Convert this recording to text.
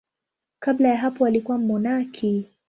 Kabla ya hapo alikuwa mmonaki.